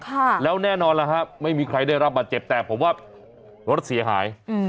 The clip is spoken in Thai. ค่ะแล้วแน่นอนแล้วฮะไม่มีใครได้รับบาดเจ็บแต่ผมว่ารถเสียหายอืม